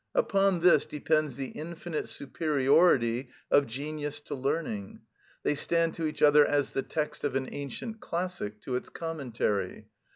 Upon this depends the infinite superiority of genius to learning; they stand to each other as the text of an ancient classic to its commentary.